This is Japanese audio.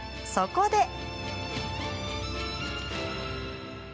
そこで。